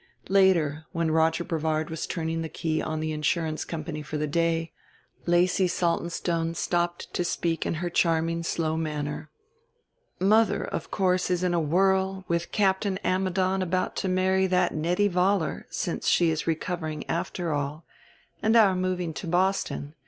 Later, when Roger Brevard was turning the key on the insurance company for the day, Lacy Saltonstone stopped to speak in her charming slow manner: "Mother of course is in a whirl, with Captain Ammidon about to marry that Nettie Vollar, since she is recovering after all, and our moving to Boston....